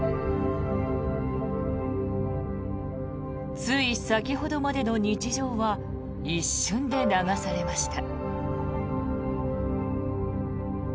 つい先ほどまでの日常は一瞬で流されました。